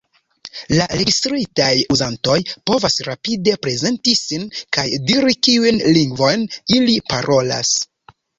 La registritaj uzantoj povas rapide prezenti sin kaj diri kiujn lingvojn ili parolas.